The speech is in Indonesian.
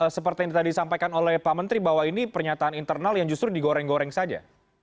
seperti yang tadi disampaikan oleh pak menteri bahwa ini pernyataan internal yang justru digoreng goreng saja